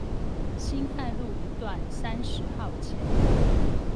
辛亥路一段三〇號前